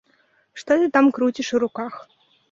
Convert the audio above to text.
Што ты там круціш у руках?